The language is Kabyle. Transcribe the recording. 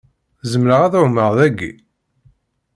Zemreɣ ad ɛummeɣ dagi?